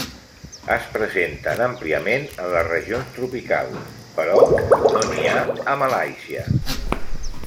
Es presenten àmpliament en les regions tropicals, però no n'hi ha a Malàisia.